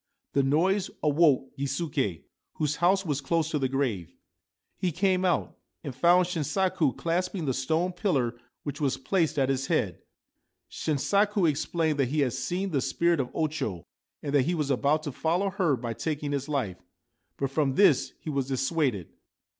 The noise awoke Gisuke, whose house was close to the grave. He came out, and found Shinsaku clasping the stone pillar which was placed at its head. Shinsaku explained that he had seen the spirit of O Cho, and that he was about to follow her by taking his life ; but from this he was dissuaded.